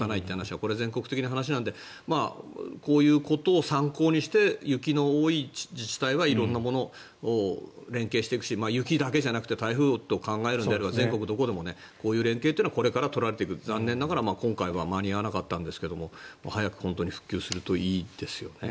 これは全国的な問題なのでこういうことを参考にして雪の多い自治体は色んなものを連携していく雪だけじゃなくて台風と考えるのであれば全国でもこういう連携はこれから取られていく残念ながら今回は間に合わなかったんですが早く復旧するといいですよね。